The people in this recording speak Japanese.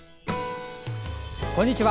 こんにちは。